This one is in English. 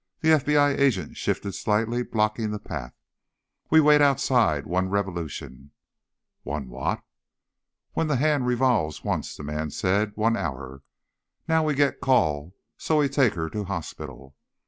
The FBI agent shifted slightly, blocking the path. "We wait outside one revolution—" "One what?" "When hands revolve once," the man said. "One hour. Now we get call so we take her to hospital."